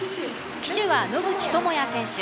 旗手は野口幸也選手。